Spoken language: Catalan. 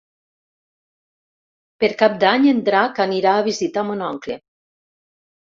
Per Cap d'Any en Drac anirà a visitar mon oncle.